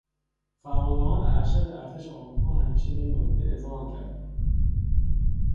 فرماندهان ارشد ارتش آمریکا همیشه به این نکته اذعان کرده اند.